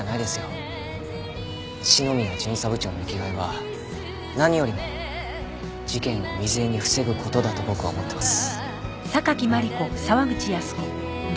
篠宮巡査部長の生きがいは何よりも事件を未然に防ぐ事だと僕は思ってます。